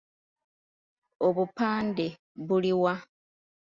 Obupande buli wa?